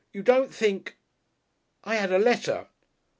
You don't think ? I 'ad a letter."